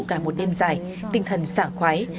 cả một đêm dài tinh thần sảng khoái